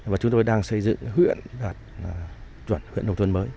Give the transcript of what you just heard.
và chúng tôi đang xây dựng huyện đạt chuẩn huyện đồng tuần mới